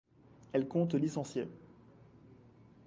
Elle compte licenciés.